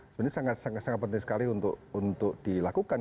sebenarnya sangat sangat penting sekali untuk dilakukan